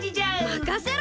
まかせろ！